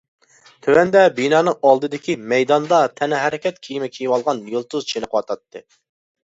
تۆۋەندە بىنانىڭ ئالدىدىكى مەيداندا تەنھەرىكەت كىيىمى كىيىۋالغان يۇلتۇز چېنىقىۋاتاتتى.